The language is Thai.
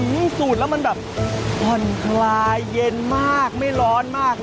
สูตรแล้วมันแบบผ่อนคลายเย็นมากไม่ร้อนมาก